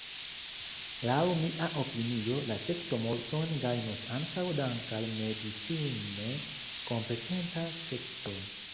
Laŭ mia opinio, la teksto multon gajnus ankaŭ dank’ al medicine kompetenta teksto.